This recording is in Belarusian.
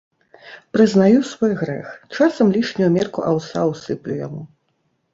Прызнаю свой грэх, часам лішнюю мерку аўса ўсыплю яму.